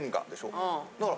だから。